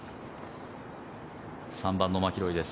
３番のマキロイです。